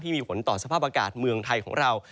มีผลต่อสภาพอากาศเมืองไทยของเรา